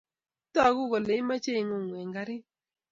itagu kole imeche ingungu eng karit